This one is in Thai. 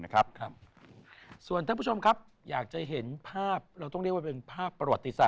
ด้วยความรักด้วยพักดี